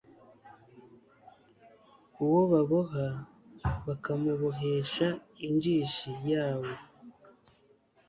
uwo baboha bakamubohesha injishi yawo